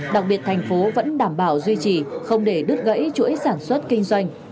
đặc biệt thành phố vẫn đảm bảo duy trì không để đứt gãy chuỗi sản xuất kinh doanh